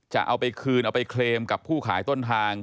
จะเอาไปคืนเอาไปเคลมกับผู้ขายต้นทาง